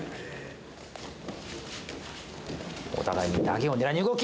お互いに投げを狙いに動き！